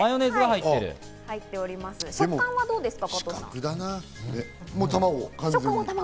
食感はどうですか？